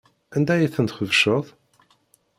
Anda ay ten-txebceḍ?